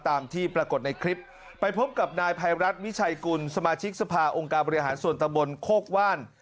ตามที่ปรากฏในคลิปไปพบกับนายภัยรัฐวิชัยกุลสมาชิกสภาองค์การบริหารส่วนตะบนโคกว่าน